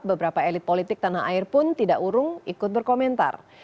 beberapa elit politik tanah air pun tidak urung ikut berkomentar